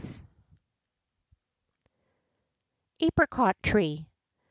BOSC. APRICOT TREE.